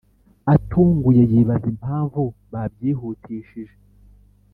atunguye yibaza impamvu babyihutishije